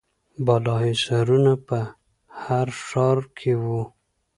بالاحصارونه په هر ښار کې وو